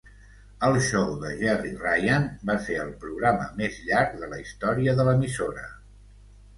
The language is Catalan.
"El Show de Gerry Ryan" va ser el programa més llarg de la història de l'emissora.